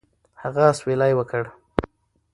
هغه اسویلی وکړ.